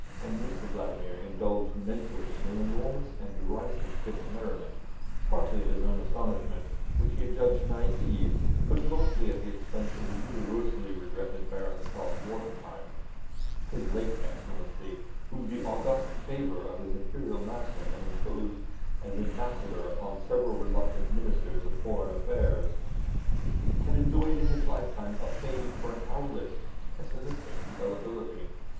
And Mr Vladimir indulged mentally in an enormous and derisive fit of merriment, partly at his own astonishment, which he judged naive, but mostly at the expense of the universally regretted Baron Stott Wartenheim. His late Excellency, whom the august favour of his Imperial master had imposed as Ambassador upon several reluctant Ministers of Foreign Affairs, had enjoyed in his lifetime a fame for an owlish, pessimistic gullibility.